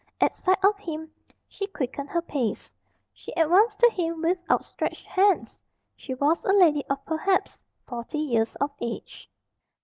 At sight of him she quickened her pace. She advanced to him with outstretched hands. She was a lady of perhaps forty years of age.